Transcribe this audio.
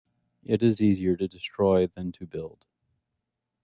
It is easier to destroy than to build.